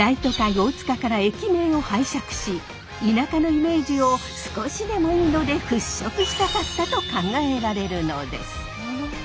大塚から駅名を拝借し田舎のイメージを少しでもいいので払拭したかったと考えられるのです。